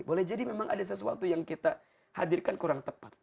boleh jadi memang ada sesuatu yang kita hadirkan kurang tepat